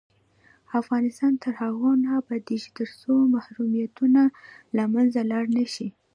افغانستان تر هغو نه ابادیږي، ترڅو محرومیتونه له منځه لاړ نشي.